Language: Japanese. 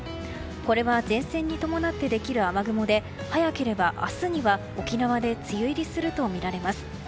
これは前線に伴ってできる雨雲で早ければ明日には沖縄で梅雨入りするとみられます。